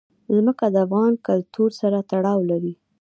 ځمکه د افغان کلتور سره تړاو لري.